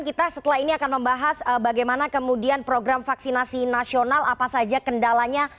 kita setelah ini akan membahas bagaimana kemudian program vaksinasi nasional apa saja kendalanya